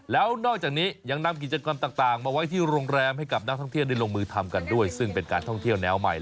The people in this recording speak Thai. แล้วนอกจากนี้ยังนำกิจกรรมต่างมาไว้ที่โรงแรมให้กับนักท่องเที่ยวได้ลงมือทำกันด้วยซึ่งเป็นการท่องเที่ยวแนวใหม่